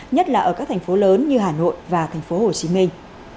nhất là ở các thành phố lớn như hà nội và thành phố hồ chí minh